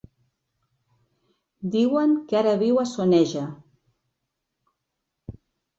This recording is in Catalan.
Diuen que ara viu a Soneja.